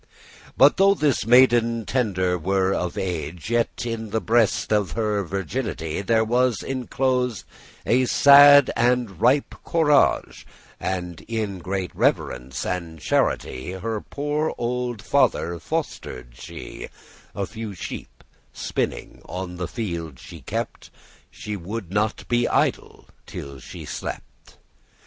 But though this maiden tender were of age; Yet in the breast of her virginity There was inclos'd a *sad and ripe corage;* *steadfast and mature And in great reverence and charity spirit* Her olde poore father foster'd she. A few sheep, spinning, on the field she kept, She woulde not be idle till she slept.